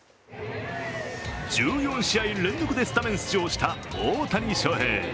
１４試合連続でスタメン出場した大谷翔平。